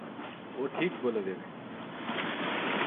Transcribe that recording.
ও ঠিক বলে দেবে।